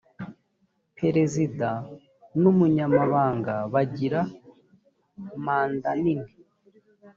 perezida n umunyamabanga bagira mandanini